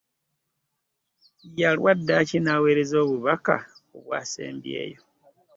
Yalwa ddaaki n'aweereza obubaka obwasembayo.